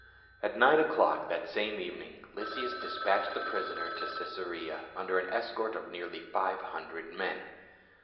At nine o'clock that same evening Lysias dispatched the prisoner to Caesarea under an escort of nearly five hundred men.